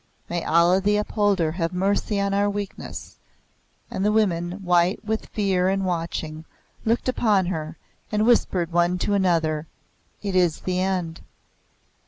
May Allah the Upholder have mercy on our weakness! And the women, white with fear and watching, looked upon her, and whispered one to another, "It is the end."